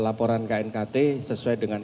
laporan knkt sesuai dengan